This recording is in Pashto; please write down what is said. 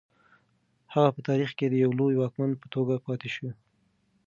هغه په تاریخ کې د یو لوی واکمن په توګه پاتې شو.